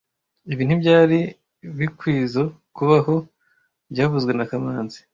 Ibi ntibyari bikwizoe kubaho byavuzwe na kamanzi